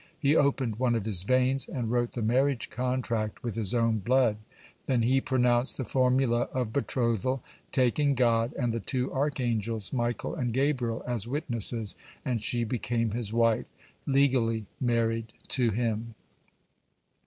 He opened one of his veins, and wrote the marriage contract with his own blood. Then he pronounced the formula of betrothal, taking God and the two archangels Michael and Gabriel as witnesses, and she became his wife, legally married to him.